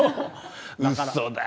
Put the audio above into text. うそだー。